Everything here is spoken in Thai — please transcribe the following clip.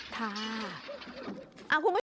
ค่ะอ้าวคุณผู้หญิงค่ะ